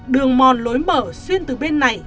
đường mòn lối mở xuyên từ bên này